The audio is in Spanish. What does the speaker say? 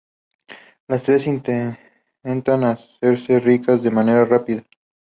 Las tres intentan hacerse ricas de manera rápida.